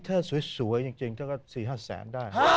ถู้ถีเมี่สวยจริงได้เท่าไหร่๔๕สัน